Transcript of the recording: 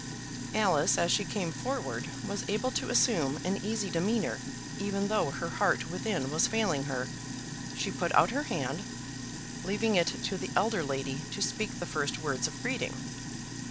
Alice, as she came forward, was able to assume an easy demeanour, even though her heart within was failing her. She put out her hand, leaving it to the elder lady to speak the first words of greeting.